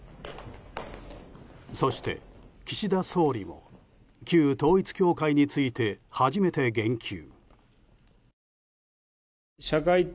そして、岸田総理も旧統一教会について初めて言及。